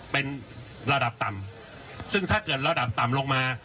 เป็นระดับต่ำซึ่งถ้าเกิดระดับต่ำลงมา